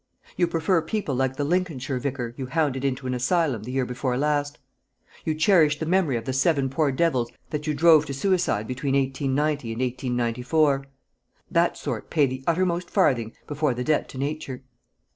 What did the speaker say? You prefer people like the Lincolnshire vicar you hounded into an asylum the year before last. You cherish the memory of the seven poor devils that you drove to suicide between 1890 and 1894; that sort pay the uttermost farthing before the debt to nature!